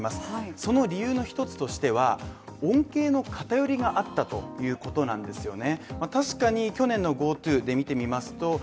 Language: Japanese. その理由の一つとしては、恩恵の偏りがあったということなんですよね